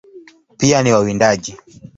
Pia ni wawindaji.